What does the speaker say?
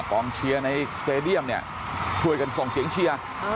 กองเชียร์ในสเตดียมเนี่ยช่วยกันส่งเสียงเชียร์